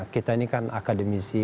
kita ini kan akademisi